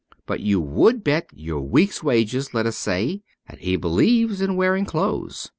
But you would bet your week's wages, let us say, that he believes in wearing clothes.